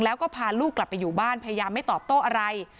แล้วก็พาลูกกลับไปอยู่บ้านพยายามไม่ตอบโต้อะไร